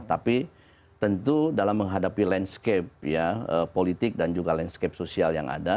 tapi tentu dalam menghadapi landscape politik dan juga landscape sosial yang ada